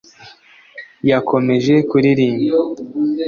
yakomeje kuririmba